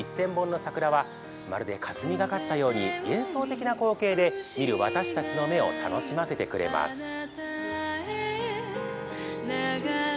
１０００本の桜はまるで霞がかったように幻想的な光景で見る私たちの目を楽しませてくれます。